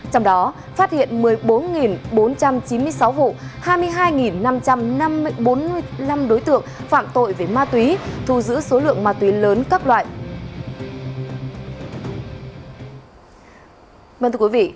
trong đó phát hiện một mươi bốn bốn trăm chín mươi sáu vụ hai mươi hai năm trăm bốn mươi năm đối tượng phạm tội về ma túy thu giữ số lượng ma túy lớn các loại